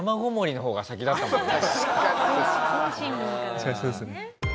確かにそうですね。